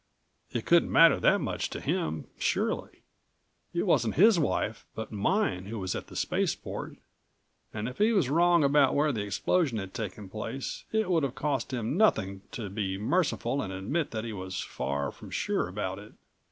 It couldn't matter that much to him, surely. It wasn't his wife but mine who was at the spaceport, and if he was wrong about where the explosion had taken place it would cost him nothing to be merciful and admit that he was far from sure about it.